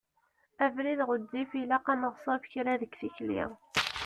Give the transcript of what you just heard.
Abrid ɣezzif, ilaq ad neɣṣeb kra deg tikli.